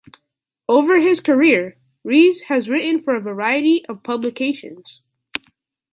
Over his career Rees has written for a variety of publications.